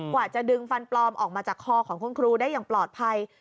กว่าจะดึงฟันปลอมออกมาจากคอของคุณครูได้อย่างปลอดภัย